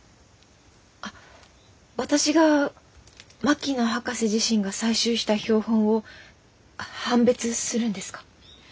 あ私が槙野博士自身が採集した標本を判別するんですか？